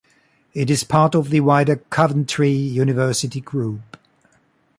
It is part of the wider Coventry University Group.